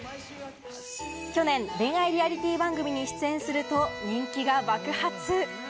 去年、恋愛リアリティー番組に出演すると人気が爆発。